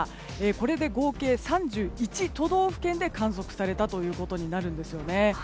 これで合計３１都道府県で観測されたということになるんですよね。